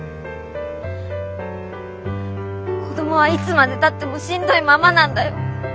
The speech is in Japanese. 子供はいつまでたってもしんどいままなんだよ。